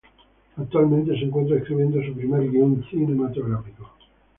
Actualmente se encuentra escribiendo su primer guion cinematográfico.